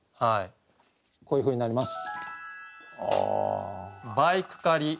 こういうふうになります。